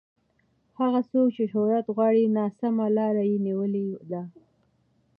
هغه څوک چې شهرت غواړي ناسمه لار یې نیولې ده.